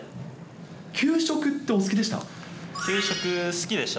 給食ってお好きでした？